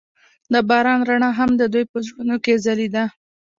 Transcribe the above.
د باران رڼا هم د دوی په زړونو کې ځلېده.